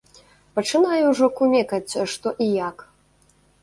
Пачынаю ўжо кумекаць, што і як.